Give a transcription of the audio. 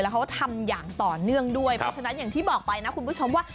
เขาทำอย่างต่อเนื่องด้วยเพราะฉะนั้นอย่างที่บอกไปนะคุณผู้ชมว่า